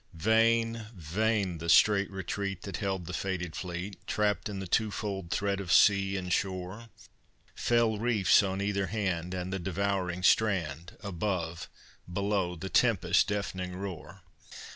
Vain, vain the strait retreat That held the fated fleet, Trapped in the two fold threat of sea and shore! Fell reefs on either hand, And the devouring strand! Above, below, the tempest's deafening roar!